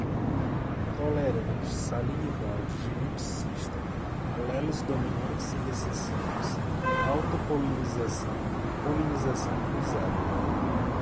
tolerante, salinidade, geneticista, alelos dominantes e recessivos, autopolinização, polinização cruzada